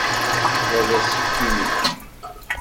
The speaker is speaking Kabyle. Wa d asefk i nekk?